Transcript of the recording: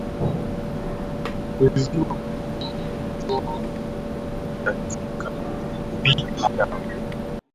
Kuuzuia ugonjwa huu katika binadamu